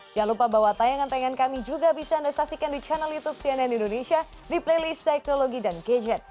jangan lupa bahwa tayangan tayangan kami juga bisa anda saksikan di channel youtube cnn indonesia di playlist teknologi dan gadget